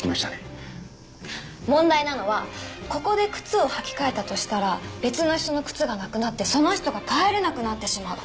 問題なのはここで靴を履き替えたとしたら別の人の靴がなくなってその人が帰れなくなってしまう。